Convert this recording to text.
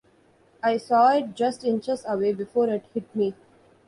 I saw it just inches away before it hit me.